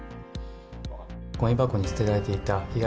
ごみ箱に捨てられていた被害